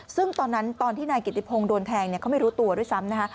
ซึ่งตอนนั้นตอนที่นายกิติพงศ์โดนแทงเขาไม่รู้ตัวด้วยซ้ำนะคะ